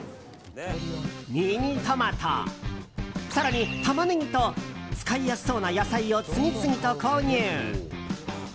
ミニトマト、更にタマネギと使いやすそうな野菜を次々と購入。